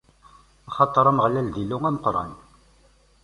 Axaṭer Ameɣlal, d Illu ameqqran.